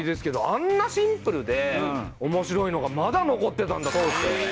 あんなシンプルで面白いのがまだ残ってたんだと思って。